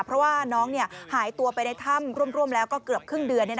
เพราะว่าน้องหายตัวไปในถ้ำร่วมแล้วก็เกือบครึ่งเดือน